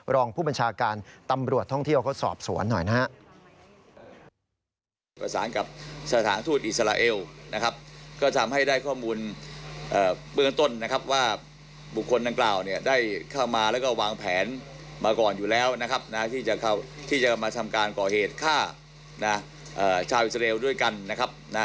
รองผู้บัญชาการตำรวจท่องเที่ยวเขาสอบสวนหน่อยนะครับ